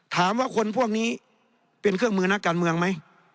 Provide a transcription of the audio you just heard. ถามว่าคนพวกนี้เป็นเครื่องมือนักการเมืองไหม